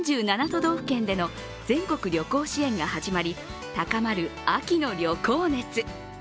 ４７都道府県での全国旅行支援が始まり高まる秋の旅行熱。